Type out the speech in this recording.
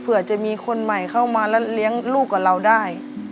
เผื่อจะมีคนใหม่เข้ามาแล้วเลี้ยงลูกกับเราได้